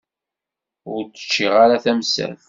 Ur d-ččiɣ ara tamsalt.